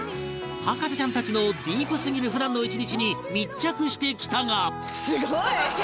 博士ちゃんたちのディープすぎる普段の１日に密着してきたが